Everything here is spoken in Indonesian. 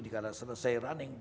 dikarenakan selesai running